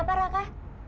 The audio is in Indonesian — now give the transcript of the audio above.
kamu pulang sekarang ya